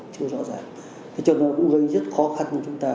thì nó cũng gây rất khó khăn cho chúng ta